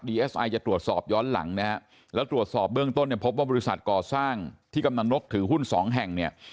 เอสไอจะตรวจสอบย้อนหลังนะฮะแล้วตรวจสอบเบื้องต้นเนี่ยพบว่าบริษัทก่อสร้างที่กำนันนกถือหุ้นสองแห่งเนี่ย